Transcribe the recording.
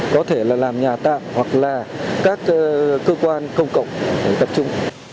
có thể là làm nhà tạm hoặc là các cơ quan công cộng tập trung